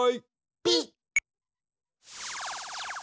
ピッ。